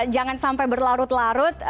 jangan sampai berlarut larut